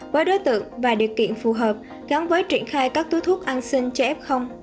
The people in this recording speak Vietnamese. với đối tượng và điều kiện phù hợp gắn với triển khai các túi thuốc ăn xin cho f